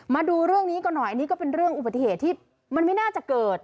มาดูเรื่องนี้กันหน่อยอันนี้ก็เป็นเรื่องอุบัติเหตุที่มันไม่น่าจะเกิด